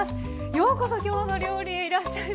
ようこそ「きょうの料理」へいらっしゃいました。